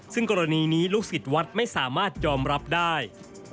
ซึ่งกรณีนี้ลูกศิษย์วัดไม่สามารถยอมรับได้